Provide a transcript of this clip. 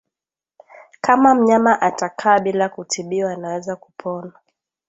Kama mnyama atakaa bila kutibiwa anaweza kupona